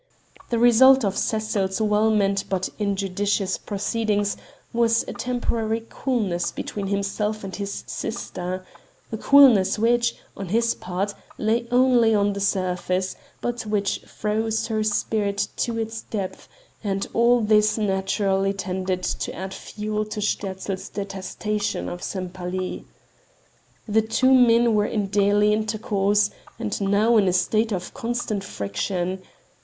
The result of Cecil's well meant but injudicious proceedings was a temporary coolness between himself and his sister a coolness which, on his part, lay only on the surface, but which froze her spirit to its depths, and all this naturally tended to add fuel to Sterzl's detestation of Sempaly. The two men were in daily intercourse, and now in a state of constant friction.